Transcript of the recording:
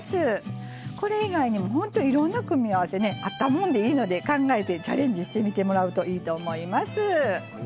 これ以外にもほんといろんな組み合わせねあったもんでいいので考えてチャレンジしてみてもらうといいと思います。